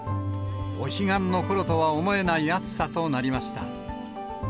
お彼岸のころとは思えない暑さとなりました。